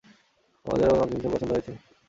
আমাদেরও তোমাকে ভীষণ পছন্দ হয়েছে।